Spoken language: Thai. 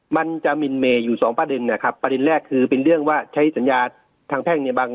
มันจะมินเมย์อยู่สองประเด็นนะครับประเด็นแรกคือเป็นเรื่องว่าใช้สัญญาทางแพ่งเนี่ยบาง